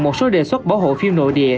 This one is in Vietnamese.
một số đề xuất bảo hộ phim nội địa